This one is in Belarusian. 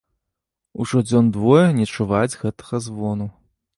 Ужо дзён двое не чуваць гэтага звону.